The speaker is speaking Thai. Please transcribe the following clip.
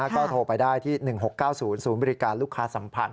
ก็โทรไปได้ที่๑๖๙๐ศูนย์บริการลูกค้าสัมพันธ